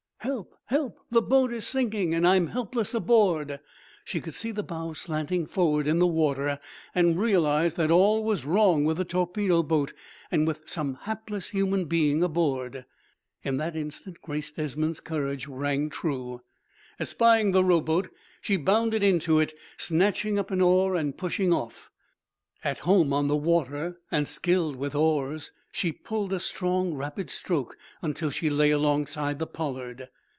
"Help! help! The boat is sinking, and I'm helpless aboard." She could see the bow slanting forward in the water, and realized that all was wrong with the torpedo boat, and with some hapless human being aboard. In that instant Grace Desmond's courage rang true. Espying the rowboat, she bounded into it, snatching up an oar and pushing off. At home on the water and skilled with oars, she pulled a strong, rapid stroke until she lay alongside the "Pollard."